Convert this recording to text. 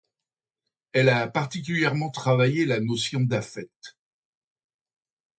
Elle a particulièrement travaillé la notion d'affect.